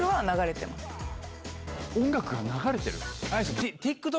音楽が流れてる？